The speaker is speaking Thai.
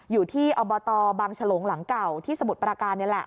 อยู่ที่อบตบางฉลงหลังเก่าที่สมุทรปราการนี่แหละ